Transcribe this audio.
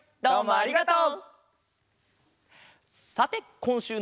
ありがとう。